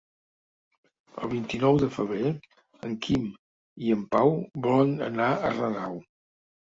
El vint-i-nou de febrer en Quim i en Pau volen anar a Renau.